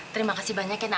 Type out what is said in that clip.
terima kasih banyak kak arman